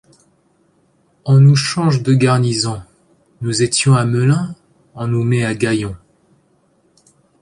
On nous change de garnison ; nous étions à Melun, on nous met à Gaillon.